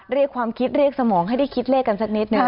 เรียกความคิดเรียกสมองให้ได้คิดเลขกันสักนิดนึง